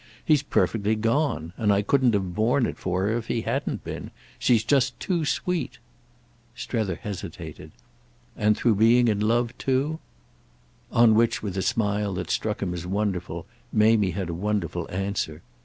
He's perfectly gone—and I couldn't have borne it for her if he hadn't been. She's just too sweet." Strether hesitated. "And through being in love too?" On which with a smile that struck him as wonderful Mamie had a wonderful answer.